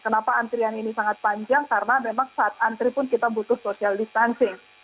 kenapa antrian ini sangat panjang karena memang saat antri pun kita butuh social distancing